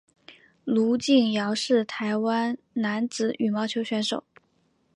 卢敬尧是台湾男子羽毛球选手。